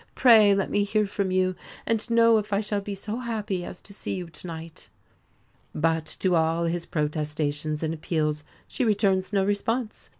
Pray let me hear from you and know if I shall be so happy as to see you to night." But to all his protestations and appeals she returns no response.